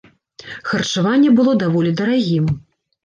Харчаванне было даволі дарагім.